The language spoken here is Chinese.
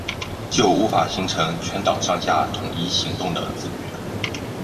就无法形成全党上下统一行动的自觉